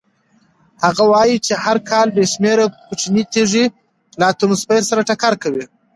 هغه وایي چې هر کال بې شمېره کوچنۍ تېږې له اتموسفیر سره ټکر کوي.